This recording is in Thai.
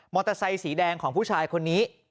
เตอร์ไซค์สีแดงของผู้ชายคนนี้